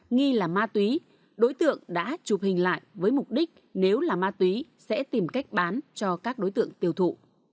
nghi là ma túy đối tượng đã chụp hình lại với mục đích nếu là ma túy sẽ tìm cách bán cho các đối tượng tiêu thụ